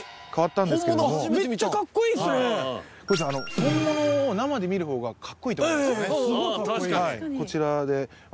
本物を生で見る方がかっこいいと思うんですよねああ